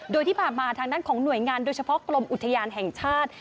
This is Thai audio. โดยที่ผ่านมาทางด้านของหน่วยงานโดยเฉพาะกรมอุทยานแห่งชาติ